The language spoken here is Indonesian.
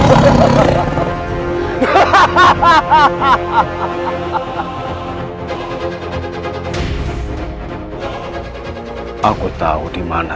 jangan mengagapku enteng